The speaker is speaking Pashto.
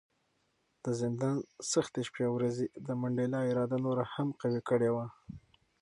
د زندان سختې شپې او ورځې د منډېلا اراده نوره هم قوي کړې وه.